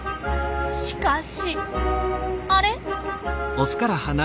しかしあれ？